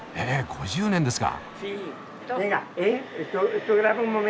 ５０年ですか。